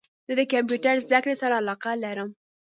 زه د کمپیوټرد زده کړي سره علاقه لرم